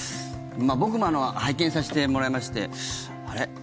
僕も拝見させてもらいましてあれっ？